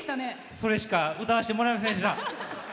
それしか歌わせてもらえませんでした。